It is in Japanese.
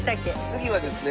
次はですね